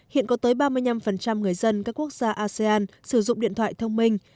hiện có tới ba mươi năm người dân các quốc gia asean sử dụng điện thoại thông minh